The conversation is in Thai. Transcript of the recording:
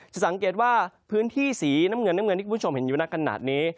สังเกตว่าพื้นที่สีน้ำเงินน้ำเงินที่คุณผู้ชมเห็นอยู่ในขณะนี้